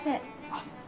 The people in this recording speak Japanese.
あっ。